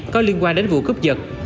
có liên quan đến vụ cướp giật